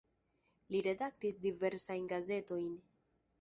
Li redaktis diversajn gazetojn.